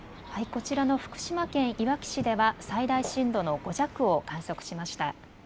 こちらの福島県いわき市では最大震度の５弱を観測しました。